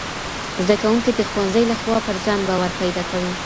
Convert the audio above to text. زدهکوونکي د ښوونځي له خوا پر ځان باور پیدا کوي.